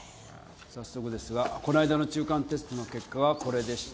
早速ですがこの間の中間テストの結果がこれでして。